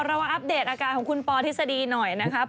เรามาอัปเดตอาการของคุณปอทฤษฎีหน่อยนะครับ